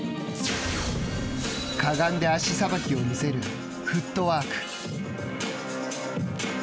かがんで足さばきを見せるフットワーク。